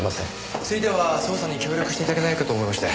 ついては捜査に協力して頂けないかと思いまして。